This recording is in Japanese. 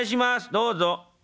どうぞ！」。